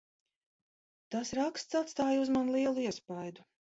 Tas raksts uz mani atstāja lielu iespaidu.